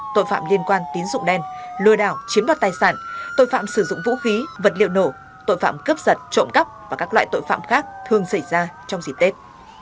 tội phạm liên quan tín dụng đen lừa đảo chiếm đoạt tài sản tội phạm sử dụng vũ khí vật liệu nổ tội phạm cướp giật trộm góc và các loại tội phạm khác thường xảy ra trong dịp tết